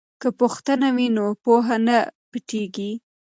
که پوښتنه وي نو پوهه نه پټیږي.